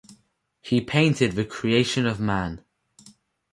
He painted the Creation of Man.